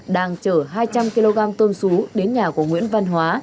đang chở hai trăm linh kg tôm xú đến nhà của nguyễn văn hóa